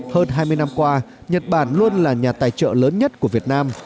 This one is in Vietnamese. hơn hai mươi năm qua nhật bản luôn là nhà tài trợ lớn nhất của việt nam